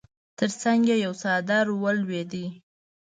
تر څنګ يې يو څادر ولوېد.